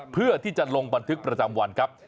เพื่อที่จะลงบันทึกประจำวันครับ